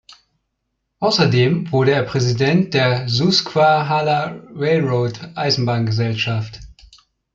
Außerdem wurde er Präsident der Susquehanna-Railroad-Eisenbahngesellschaft.